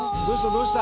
どうした？